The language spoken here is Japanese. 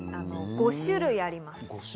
５種類あります。